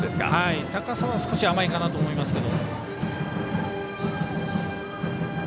高さは少し甘いかなと思いますが。